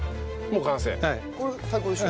これ最高でしょ？